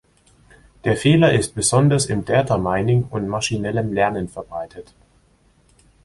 Der Fehler ist besonders im Data-Mining und maschinellem Lernen verbreitet.